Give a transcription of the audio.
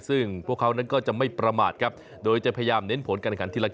ซึ่งพวกเขานั้นก็จะไม่ประมาทครับโดยจะพยายามเน้นผลการขันทีละ